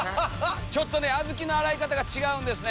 ちょっとね小豆の洗い方が違うんですね。